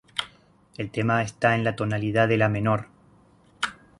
El tema está en la tonalidad de la menor.